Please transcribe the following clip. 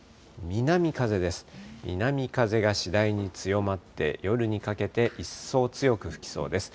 南風が次第に強まって夜にかけて一層強く吹きそうです。